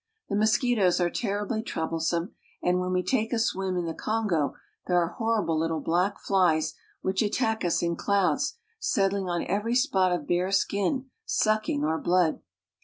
The mosquitoes are terribly troublesome, and when we . 2 a swim in the Kongo there are horrible little black I i which attack us in clouds, settling on every spot of '; skin, sucking our blood.